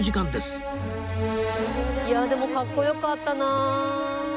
いやあでもかっこよかったなあ。